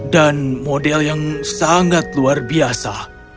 dan model yang sangat luar biasa